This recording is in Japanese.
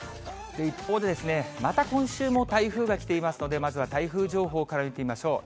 一方で、また今週も台風が来ていますので、まずは台風情報から見てみましょう。